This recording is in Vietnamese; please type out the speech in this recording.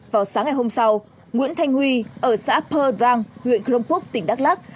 vào sáng ngày hôm sau nguyễn thanh huy ở xã pơ răng huyện kronpuk tỉnh đắk lắc